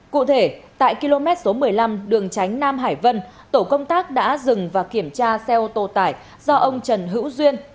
cụ thể tại km số một mươi năm đường tránh nam hải vân tổ công tác đã dừng và kiểm tra xe ô tô tải do ông trần hữu duyên